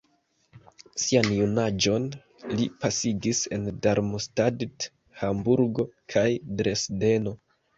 Sian junaĝon li pasigis en Darmstadt, Hamburgo kaj Dresdeno.